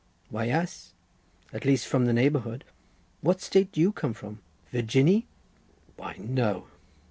"Why yaas—at least from the neighbourhood. What State do you come from? Virginny?" "Why no!"